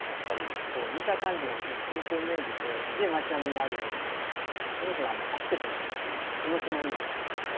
こう見た感じがすごく風光明美でで町並みがあるようなすごく走ってても気持ちがいい町なんですね。